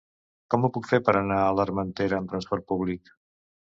Com ho puc fer per anar a l'Armentera amb trasport públic?